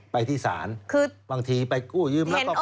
ไปที่ศาลบางทีไปกู้ยืมแล้วก็ผ่อนผัน